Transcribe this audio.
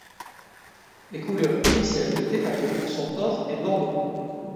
Les couleurs officielles de Theta Tau sont Or et Bordeaux.